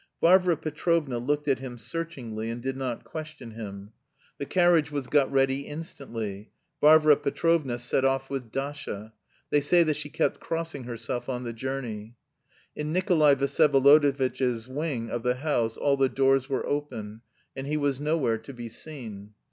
Varvara Petrovna looked at him searchingly and did not question him. The carriage was got ready instantly. Varvara Petrovna set off with Dasha. They say that she kept crossing herself on the journey. In Nikolay Vsyevolodovitch's wing of the house all the doors were open and he was nowhere to be seen.